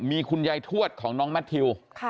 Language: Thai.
มีคุณยายทวดของน้องแมททิว